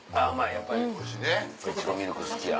やっぱりイチゴミルク好きや。